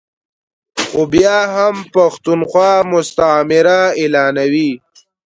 خو بیا هم پښتونخوا مستعمره اعلانوي ا